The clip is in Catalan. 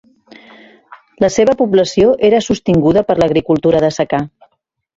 La seva població era sostinguda per l'agricultura de secà.